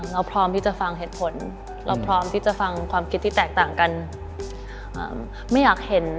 เราพร้อมที่จะฟังเหตุผลเราพร้อมที่จะฟังความคิดที่แตกต่างกันไม่อยากเห็น